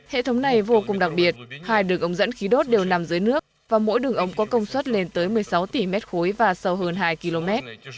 hệ thống này vô cùng đặc biệt hai đường ống dẫn khí đốt đều nằm dưới nước và mỗi đường ống có công suất lên tới một mươi sáu tỷ mét khối và sâu hơn hai km